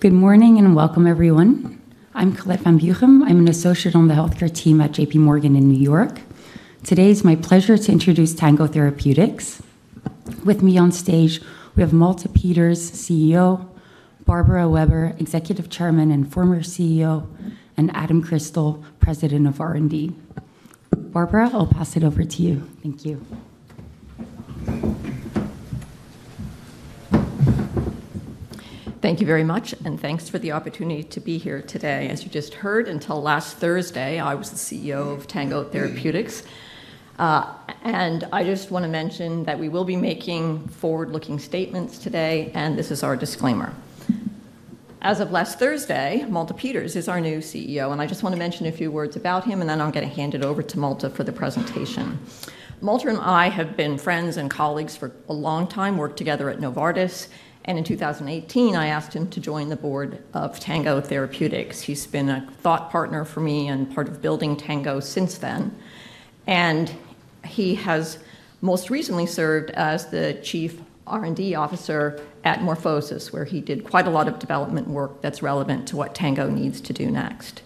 Good morning and welcome, everyone. I'm Colette van Buchem. I'm an associate on the healthcare team at J.P. Morgan in New York. Today it's my pleasure to introduce Tango Therapeutics. With me on stage, we have Malte Peters, CEO, Barbara Weber, Executive Chairman and former CEO, and Adam Crystal, President of R&D. Barbara, I'll pass it over to you. Thank you. Thank you very much, and thanks for the opportunity to be here today. As you just heard, until last Thursday, I was the CEO of Tango Therapeutics. And I just want to mention that we will be making forward-looking statements today, and this is our disclaimer. As of last Thursday, Malte Peters is our new CEO, and I just want to mention a few words about him, and then I'm going to hand it over to Malte for the presentation. Malte and I have been friends and colleagues for a long time, worked together at Novartis, and in 2018, I asked him to join the board of Tango Therapeutics. He's been a thought partner for me and part of building Tango since then. And he has most recently served as the Chief R&D Officer at MorphoSys, where he did quite a lot of development work that's relevant to what Tango needs to do next.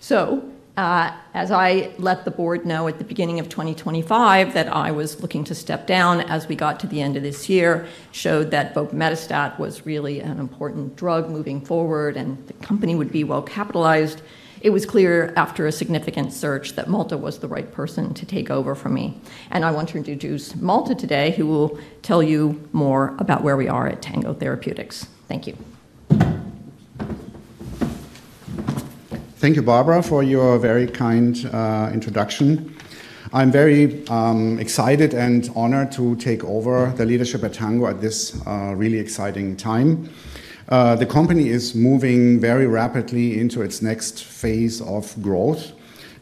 So, as I let the board know at the beginning of 2025 that I was looking to step down, as we got to the end of this year showed that both Metastat was really an important drug moving forward and the company would be well capitalized, it was clear after a significant search that Malte was the right person to take over for me. And I want to introduce Malte today, who will tell you more about where we are at Tango Therapeutics. Thank you. Thank you, Barbara, for your very kind introduction. I'm very excited and honored to take over the leadership at Tango at this really exciting time. The company is moving very rapidly into its next phase of growth,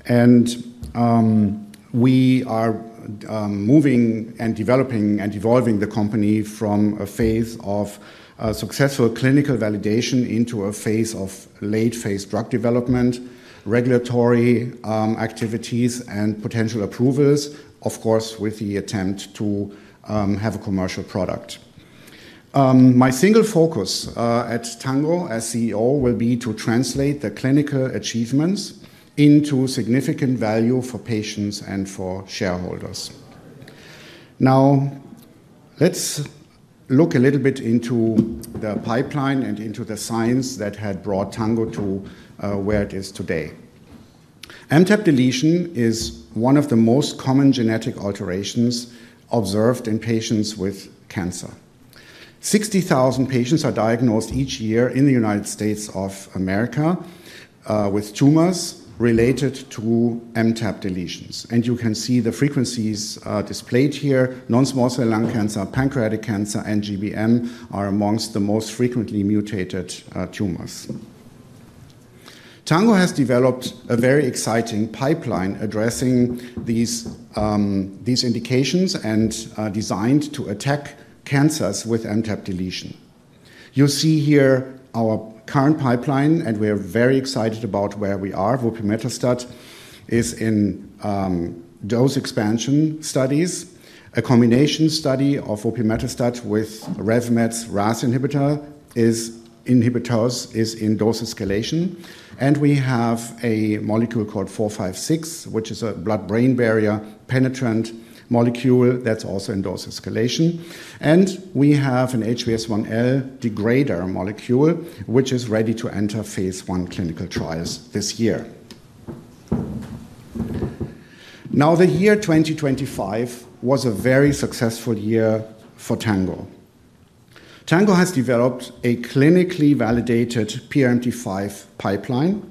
and we are moving and developing and evolving the company from a phase of successful clinical validation into a phase of late-phase drug development, regulatory activities, and potential approvals, of course, with the attempt to have a commercial product. My single focus at Tango as CEO will be to translate the clinical achievements into significant value for patients and for shareholders. Now, let's look a little bit into the pipeline and into the science that had brought Tango to where it is today. MTAP deletion is one of the most common genetic alterations observed in patients with cancer. 60,000 patients are diagnosed each year in the United States of America with tumors related to MTAP deletions. You can see the frequencies displayed here. Non-small cell lung cancer, pancreatic cancer, and GBM are among the most frequently mutated tumors. Tango has developed a very exciting pipeline addressing these indications and designed to attack cancers with MTAP deletion. You see here our current pipeline, and we are very excited about where we are. TNG462 is in dose expansion studies. A combination study of TNG462 with Revolution Medicines' RAS inhibitors is in dose escalation. We have a molecule called TNG908, which is a blood-brain barrier penetrant molecule that's also in dose escalation. We have an HBS1L degrader molecule, which is ready to enter phase one clinical trials this year. Now, the year 2025 was a very successful year for Tango. Tango has developed a clinically validated PRMT5 pipeline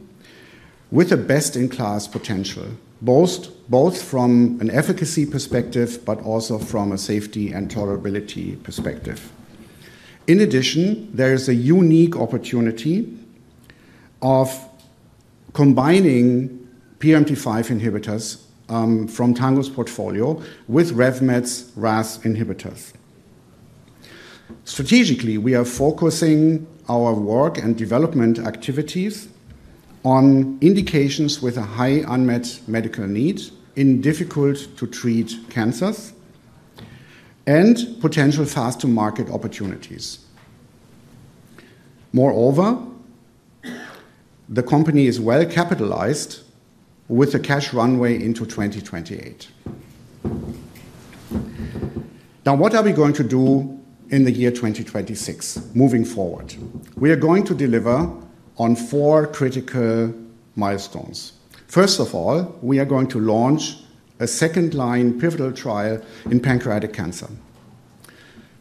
with a best-in-class potential, both from an efficacy perspective, but also from a safety and tolerability perspective. In addition, there is a unique opportunity of combining PRMT5 inhibitors from Tango's portfolio with RevMed RAS inhibitors. Strategically, we are focusing our work and development activities on indications with a high unmet medical need in difficult-to-treat cancers and potential fast-to-market opportunities. Moreover, the company is well capitalized with a cash runway into 2028. Now, what are we going to do in the year 2026 moving forward? We are going to deliver on four critical milestones. First of all, we are going to launch a second-line pivotal trial in pancreatic cancer.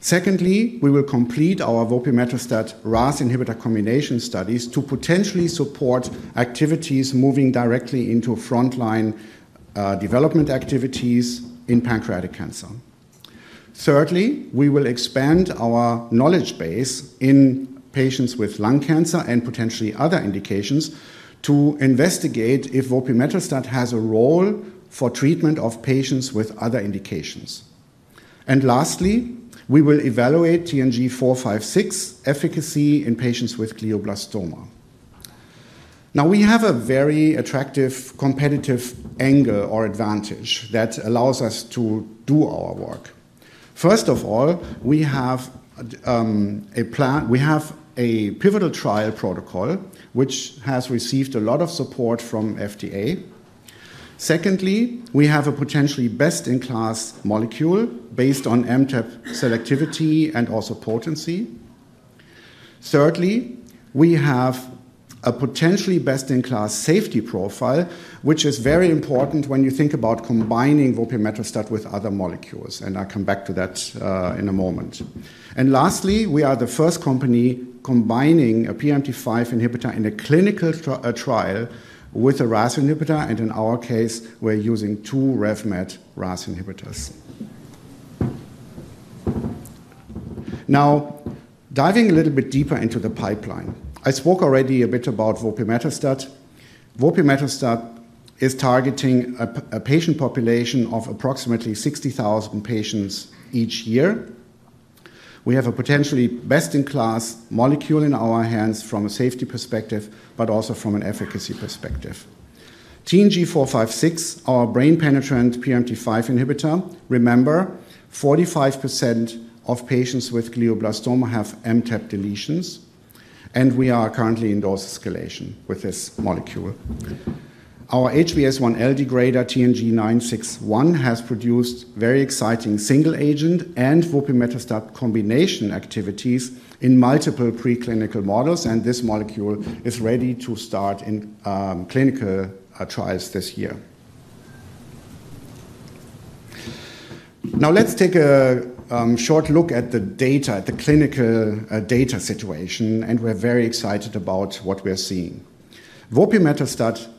Secondly, we will complete our TNG462 RAS inhibitor combination studies to potentially support activities moving directly into front-line development activities in pancreatic cancer. Thirdly, we will expand our knowledge base in patients with lung cancer and potentially other indications to investigate if ubimatastat has a role for treatment of patients with other indications. And lastly, we will evaluate TNG456 efficacy in patients with glioblastoma. Now, we have a very attractive competitive angle or advantage that allows us to do our work. First of all, we have a pivotal trial protocol, which has received a lot of support from FDA. Secondly, we have a potentially best-in-class molecule based on MTEP selectivity and also potency. Thirdly, we have a potentially best-in-class safety profile, which is very important when you think about combining ubimatastat with other molecules, and I'll come back to that in a moment. Lastly, we are the first company combining a PRMT5 inhibitor in a clinical trial with a RAS inhibitor, and in our case, we're using two Revolution Medicines RAS inhibitors. Now, diving a little bit deeper into the pipeline, I spoke already a bit about TNG462. TNG462 is targeting a patient population of approximately 60,000 patients each year. We have a potentially best-in-class molecule in our hands from a safety perspective, but also from an efficacy perspective. TNG908, our brain-penetrant PRMT5 inhibitor, remember, 45% of patients with glioblastoma have MTAP deletions, and we are currently in dose escalation with this molecule. Our HBS1L degrader, TNG961, has produced very exciting single-agent and TNG462 combination activities in multiple preclinical models, and this molecule is ready to start in clinical trials this year. Now, let's take a short look at the data, at the clinical data situation, and we're very excited about what we're seeing. TNG462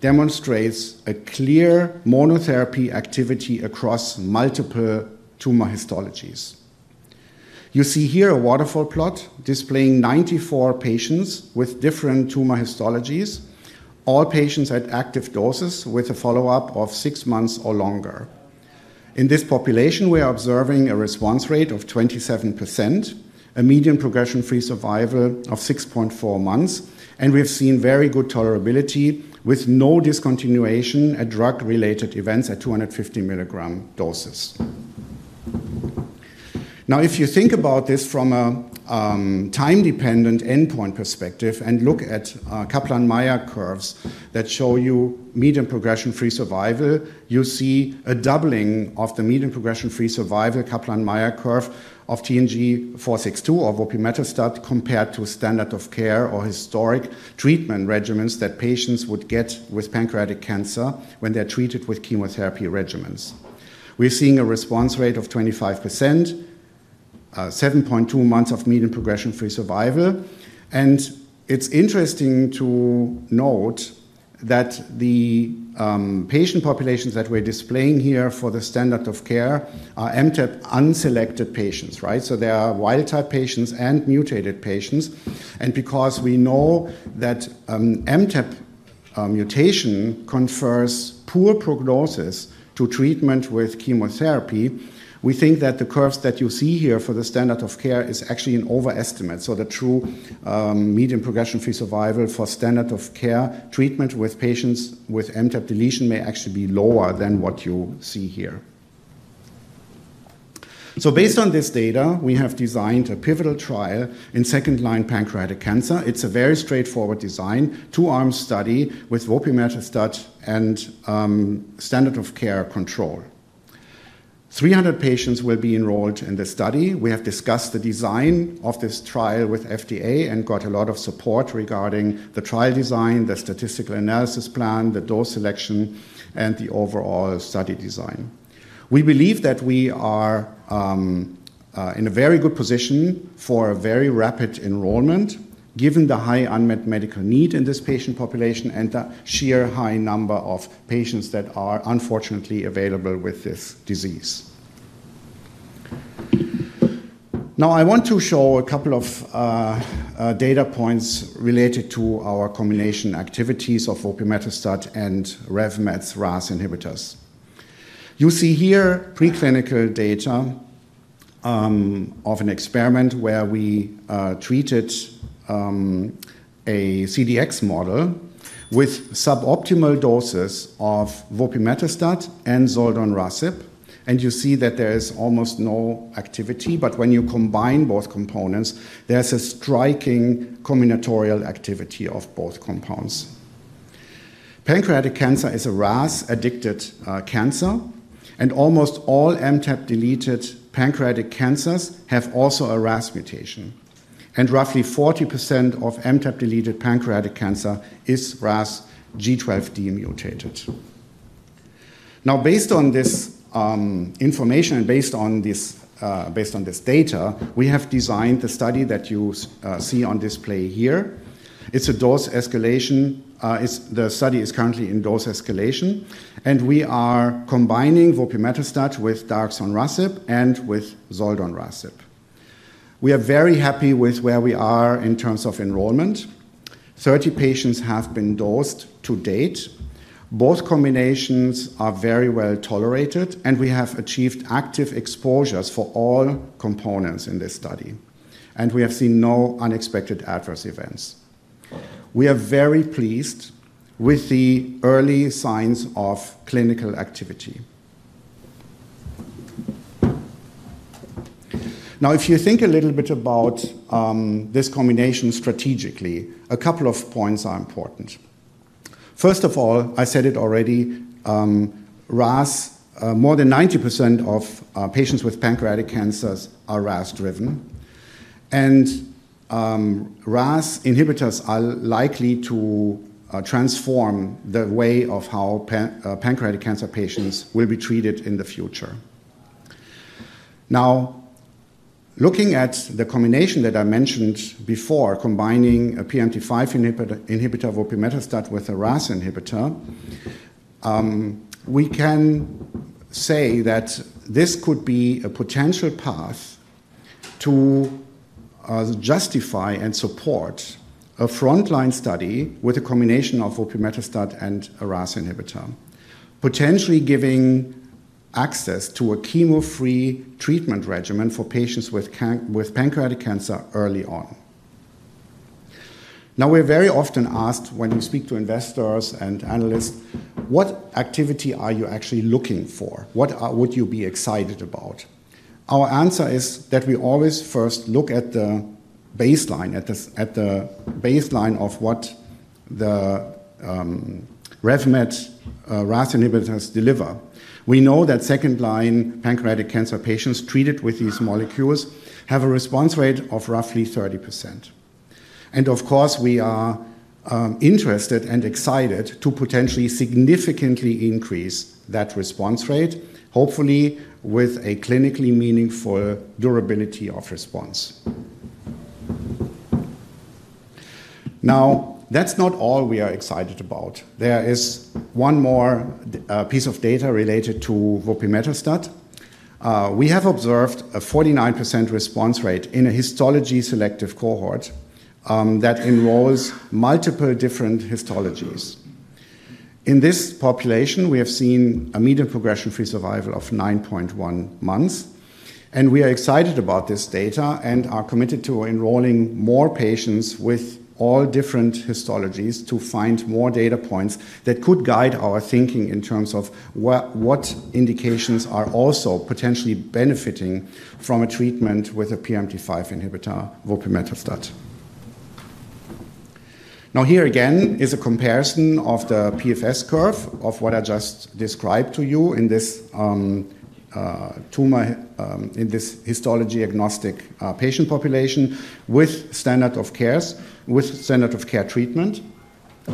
demonstrates a clear monotherapy activity across multiple tumor histologies. You see here a waterfall plot displaying 94 patients with different tumor histologies, all patients at active doses with a follow-up of six months or longer. In this population, we are observing a response rate of 27%, a median progression-free survival of 6.4 months, and we've seen very good tolerability with no discontinuation at drug-related events at 250 milligram doses. Now, if you think about this from a time-dependent endpoint perspective and look at Kaplan-Meier curves that show you median progression-free survival, you see a doubling of the median progression-free survival Kaplan-Meier curve of TNG462 or TNG462 compared to standard of care or historic treatment regimens that patients would get with pancreatic cancer when they're treated with chemotherapy regimens. We're seeing a response rate of 25%, 7.2 months of median progression-free survival, and it's interesting to note that the patient populations that we're displaying here for the standard of care are MTAP unselected patients, right? So there are wild-type patients and mutated patients, and because we know that MTAP mutation confers poor prognosis to treatment with chemotherapy, we think that the curves that you see here for the standard of care is actually an overestimate. The true median progression-free survival for standard of care treatment with patients with MTAP deletion may actually be lower than what you see here. Based on this data, we have designed a pivotal trial in second-line pancreatic cancer. It's a very straightforward design, two-arm study with TNG462 and standard of care control. 300 patients will be enrolled in the study. We have discussed the design of this trial with FDA and got a lot of support regarding the trial design, the statistical analysis plan, the dose selection, and the overall study design. We believe that we are in a very good position for a very rapid enrollment given the high unmet medical need in this patient population and the sheer high number of patients that are unfortunately available with this disease. Now, I want to show a couple of data points related to our combination activities of TNG462 and Revolution Medicines' RAS inhibitors. You see here preclinical data of an experiment where we treated a CDX model with suboptimal doses of TNG462 and zoldonrasib, and you see that there is almost no activity, but when you combine both components, there's a striking combinatorial activity of both compounds. Pancreatic cancer is a RAS-addicted cancer, and almost all MTAP-deleted pancreatic cancers have also a RAS mutation, and roughly 40% of MTAP-deleted pancreatic cancer is KRAS G12D mutated. Now, based on this information and based on this data, we have designed the study that you see on display here. It's a dose escalation. The study is currently in dose escalation, and we are combining TNG462 with daraxonrasib and with zoldonrasib. We are very happy with where we are in terms of enrollment. 30 patients have been dosed to date. Both combinations are very well tolerated, and we have achieved active exposures for all components in this study, and we have seen no unexpected adverse events. We are very pleased with the early signs of clinical activity. Now, if you think a little bit about this combination strategically, a couple of points are important. First of all, I said it already, more than 90% of patients with pancreatic cancers are RAS-driven, and RAS inhibitors are likely to transform the way of how pancreatic cancer patients will be treated in the future. Now, looking at the combination that I mentioned before, combining a PRMT5 inhibitor, TNG462 with a RAS inhibitor, we can say that this could be a potential path to justify and support a front-line study with a combination of TNG462 and a RAS inhibitor, potentially giving access to a chemo-free treatment regimen for patients with pancreatic cancer early on. Now, we're very often asked when we speak to investors and analysts, "What activity are you actually looking for? What would you be excited about?" Our answer is that we always first look at the baseline, at the baseline of what the Revolution Medicines RAS inhibitors deliver. We know that second-line pancreatic cancer patients treated with these molecules have a response rate of roughly 30%. And of course, we are interested and excited to potentially significantly increase that response rate, hopefully with a clinically meaningful durability of response, and of course, we are interested and excited to potentially significantly increase that response rate, hopefully with a clinically meaningful durability of response. Now, that's not all we are excited about. There is one more piece of data related to TNG462. We have observed a 49% response rate in a histology selective cohort that enrolls multiple different histologies. In this population, we have seen a median progression-free survival of 9.1 months, and we are excited about this data and are committed to enrolling more patients with all different histologies to find more data points that could guide our thinking in terms of what indications are also potentially benefiting from a treatment with a PRMT5 inhibitor, TNG462. Now, here again is a comparison of the PFS curve of what I just described to you in this histology-agnostic patient population with standard of care treatment,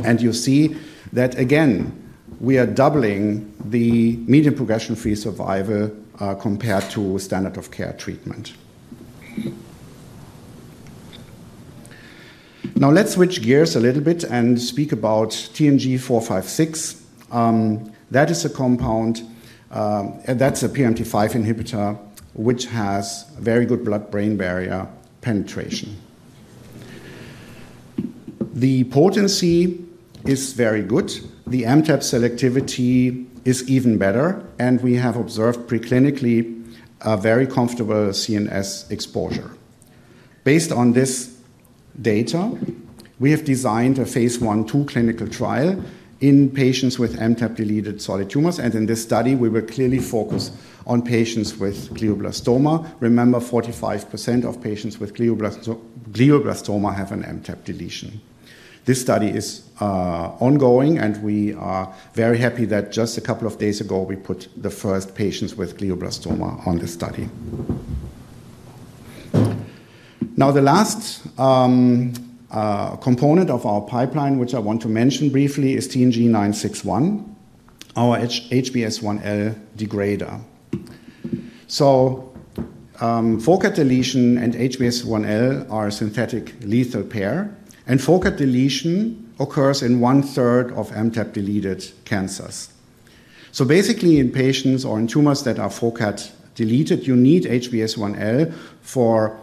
and you see that again, we are doubling the median progression-free survival compared to standard of care treatment. Now, let's switch gears a little bit and speak about TNG908. That is a compound, and that's a PRMT5 inhibitor, which has very good blood-brain barrier penetration. The potency is very good. The MTAP selectivity is even better, and we have observed preclinically a very comfortable CNS exposure. Based on this data, we have designed a phase one-two clinical trial in patients with MTAP-deleted solid tumors, and in this study, we were clearly focused on patients with glioblastoma. Remember, 45% of patients with glioblastoma have an MTAP deletion. This study is ongoing, and we are very happy that just a couple of days ago, we put the first patients with glioblastoma on this study. Now, the last component of our pipeline, which I want to mention briefly, is TNG961, our HBS1L degrader. FOCAD deletion and HBS1L are a synthetic lethal pair, and FOCAD deletion occurs in one-third of MTAP-deleted cancers. Basically, in patients or in tumors that are FOCAD-deleted, you need HBS1L for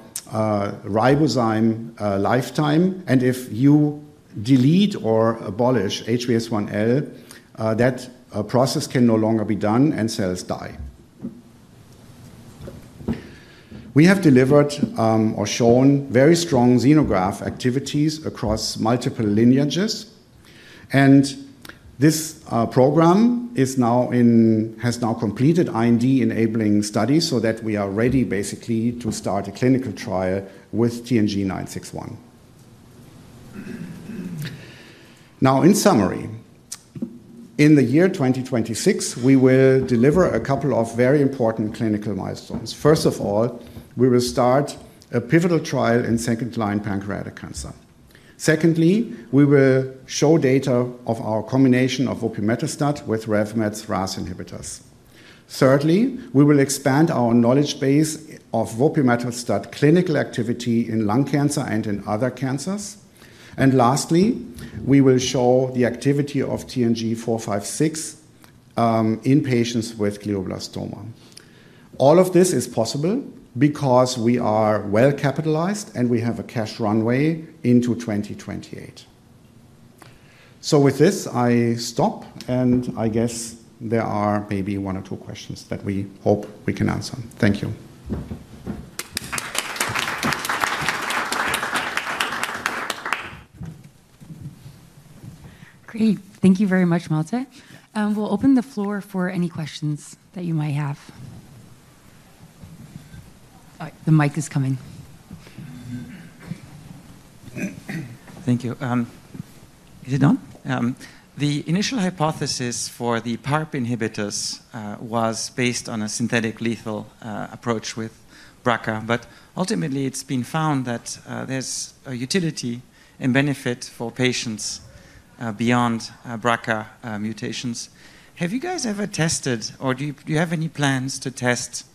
ribosome lifetime, and if you delete or abolish HBS1L, that process can no longer be done, and cells die. We have delivered or shown very strong xenograft activities across multiple lineages, and this program has now completed IND-enabling studies so that we are ready basically to start a clinical trial with TNG961. Now, in summary, in the year 2026, we will deliver a couple of very important clinical milestones. First of all, we will start a pivotal trial in second-line pancreatic cancer. Secondly, we will show data of our combination of TNG462 with Revolution Medicines' RAS inhibitors. Thirdly, we will expand our knowledge base of TNG462 clinical activity in lung cancer and in other cancers. And lastly, we will show the activity of TNG 456 in patients with glioblastoma. All of this is possible because we are well capitalized, and we have a cash runway into 2028. So with this, I stop, and I guess there are maybe one or two questions that we hope we can answer. Thank you. Great. Thank you very much, Malte. We'll open the floor for any questions that you might have. The mic is coming. Thank you. Is it on? The initial hypothesis for the PARP inhibitors was based on a synthetic lethal approach with BRCA, but ultimately, it's been found that there's a utility and benefit for patients beyond BRCA mutations. Have you guys ever tested, or do you have any plans to test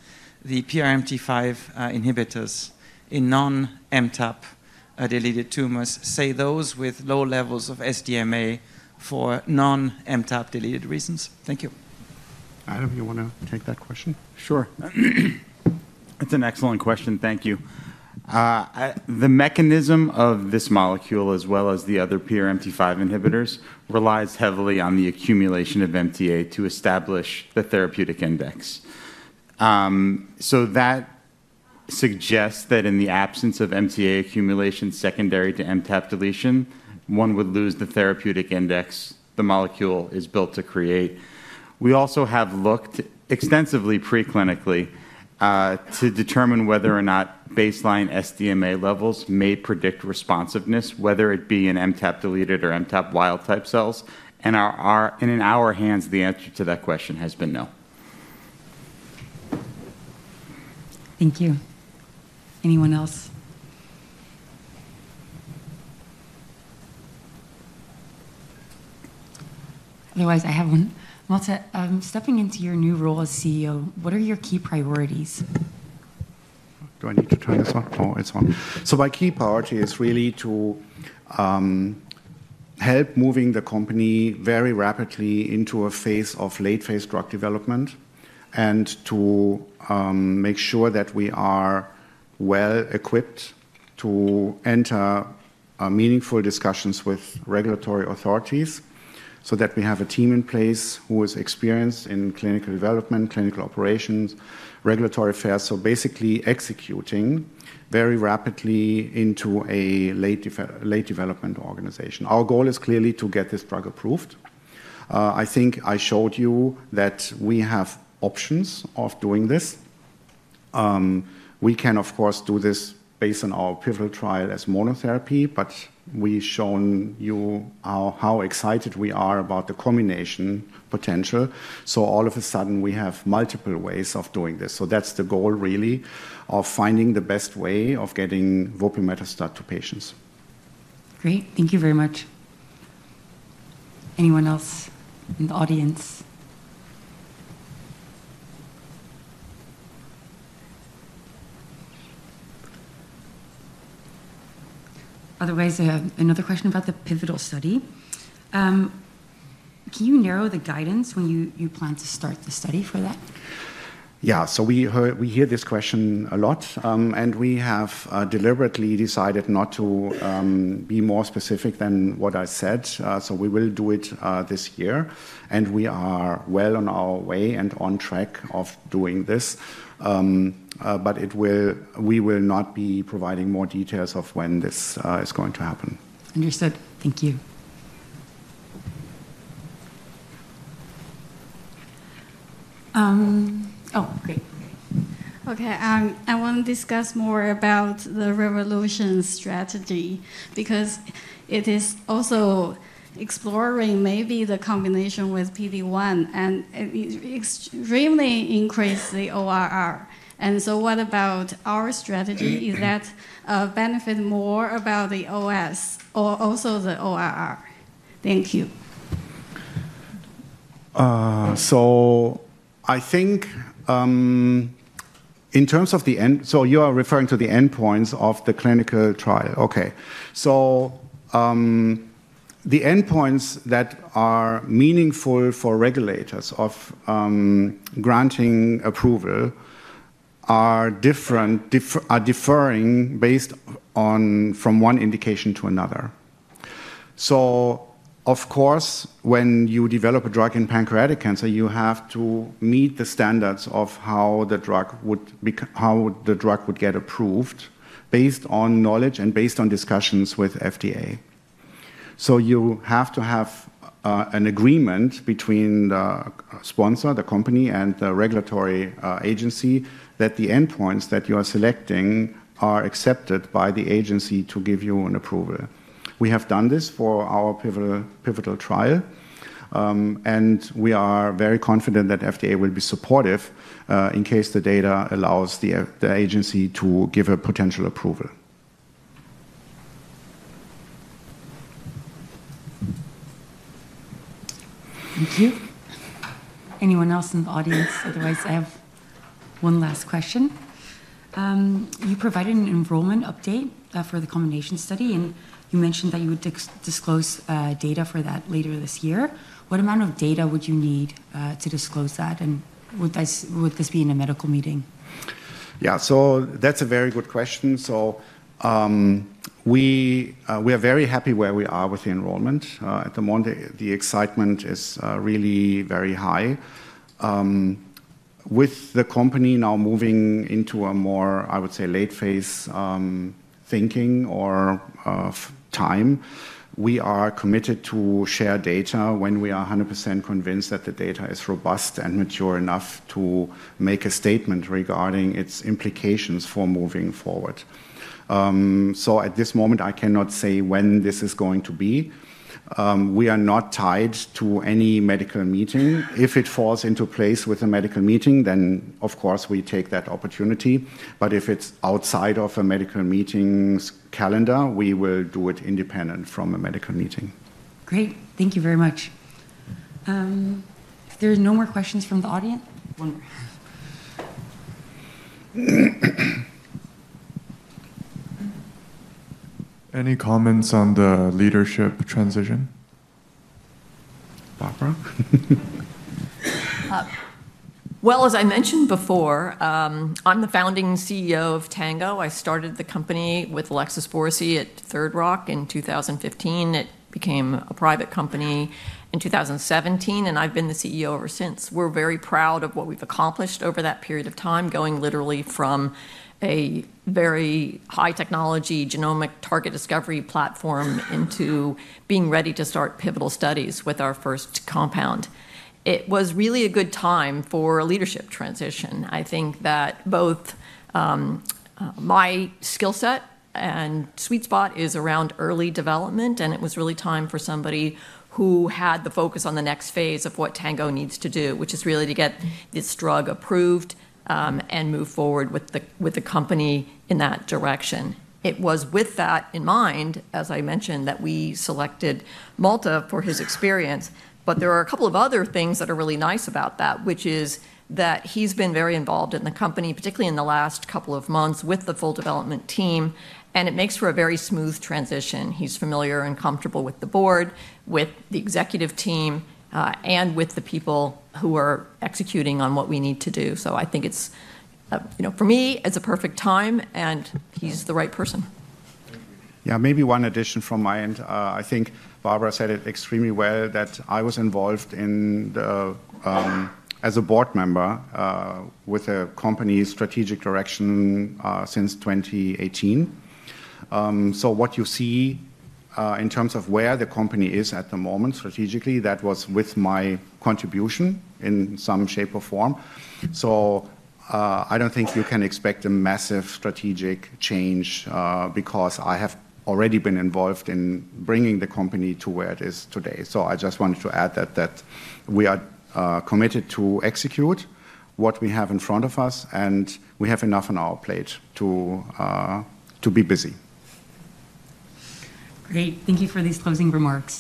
the PRMT5 inhibitors in non-MTAP-deleted tumors, say those with low levels of SDMA for non-MTAP-deleted reasons? Thank you. Adam, you want to take that question? Sure. It's an excellent question. Thank you. The mechanism of this molecule, as well as the other PRMT5 inhibitors, relies heavily on the accumulation of MTA to establish the therapeutic index. So that suggests that in the absence of MTA accumulation secondary to MTAP deletion, one would lose the therapeutic index the molecule is built to create. We also have looked extensively preclinically to determine whether or not baseline SDMA levels may predict responsiveness, whether it be in MTAP-deleted or MTAP wild-type cells, and in our hands, the answer to that question has been no. Thank you. Anyone else? Otherwise, I have one. Malte, stepping into your new role as CEO, what are your key priorities? Do I need to turn this on? Oh, it's on. So my key priority is really to help moving the company very rapidly into a phase of late-phase drug development and to make sure that we are well equipped to enter meaningful discussions with regulatory authorities so that we have a team in place who is experienced in clinical development, clinical operations, regulatory affairs, so basically executing very rapidly into a late development organization. Our goal is clearly to get this drug approved. I think I showed you that we have options of doing this. We can, of course, do this based on our pivotal trial as monotherapy, but we've shown you how excited we are about the combination potential. So all of a sudden, we have multiple ways of doing this. So that's the goal really of finding the best way of getting Whoopi Metastat to patients. Great. Thank you very much. Anyone else in the audience? Otherwise, another question about the pivotal study. Can you narrow the guidance when you plan to start the study for that? Yeah, so we hear this question a lot, and we have deliberately decided not to be more specific than what I said, so we will do it this year, and we are well on our way and on track of doing this, but we will not be providing more details of when this is going to happen. Understood. Thank you. Oh, great. Okay. I want to discuss more about the Revolution strategy because it is also exploring maybe the combination with PD-1, and it extremely increased the ORR. And so what about our strategy? Is that benefit more about the OS or also the ORR? Thank you. I think in terms of the endpoint, you are referring to the endpoints of the clinical trial. Okay. The endpoints that are meaningful for regulators for granting approval are different, are differing based on from one indication to another. Of course, when you develop a drug in pancreatic cancer, you have to meet the standards of how the drug would get approved based on knowledge and based on discussions with FDA. You have to have an agreement between the sponsor, the company, and the regulatory agency that the endpoints that you are selecting are accepted by the agency to give you an approval. We have done this for our pivotal trial, and we are very confident that FDA will be supportive in case the data allows the agency to give a potential approval. Thank you. Anyone else in the audience? Otherwise, I have one last question. You provided an enrollment update for the combination study, and you mentioned that you would disclose data for that later this year. What amount of data would you need to disclose that, and would this be in a medical meeting? Yeah. So that's a very good question. So we are very happy where we are with the enrollment. At the moment, the excitement is really very high. With the company now moving into a more, I would say, late-phase thinking or time, we are committed to share data when we are 100% convinced that the data is robust and mature enough to make a statement regarding its implications for moving forward. So at this moment, I cannot say when this is going to be. We are not tied to any medical meeting. If it falls into place with a medical meeting, then of course, we take that opportunity. But if it's outside of a medical meeting's calendar, we will do it independent from a medical meeting. Great. Thank you very much. If there are no more questions from the audience. Any comments on the leadership transition? Barbara? As I mentioned before, I'm the founding CEO of Tango. I started the company with Alexis Borisy at Third Rock in 2015. It became a private company in 2017, and I've been the CEO ever since. We're very proud of what we've accomplished over that period of time, going literally from a very high-technology genomic target discovery platform into being ready to start pivotal studies with our first compound. It was really a good time for a leadership transition. I think that both my skill set and sweet spot is around early development, and it was really time for somebody who had the focus on the next phase of what Tango needs to do, which is really to get this drug approved and move forward with the company in that direction. It was with that in mind, as I mentioned, that we selected Malte for his experience, but there are a couple of other things that are really nice about that, which is that he's been very involved in the company, particularly in the last couple of months with the full development team, and it makes for a very smooth transition. He's familiar and comfortable with the board, with the executive team, and with the people who are executing on what we need to do. So I think it's, for me, it's a perfect time, and he's the right person. Yeah. Maybe one addition from my end. I think Barbara said it extremely well that I was involved as a board member with a company's strategic direction since 2018. So what you see in terms of where the company is at the moment strategically, that was with my contribution in some shape or form. So I don't think you can expect a massive strategic change because I have already been involved in bringing the company to where it is today. So I just wanted to add that we are committed to execute what we have in front of us, and we have enough on our plate to be busy. Great. Thank you for these closing remarks.